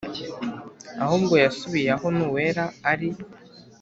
ahubwo yasubiye aho nowela ari